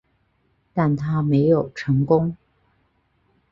但它没有成功。